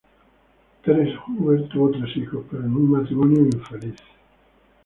Therese Huber tuvo tres hijos, pero en un matrimonio infeliz.